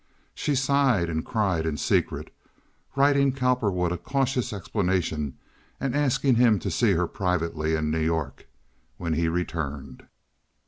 She sighed and cried in secret, writing Cowperwood a cautious explanation and asking him to see her privately in New York when he returned.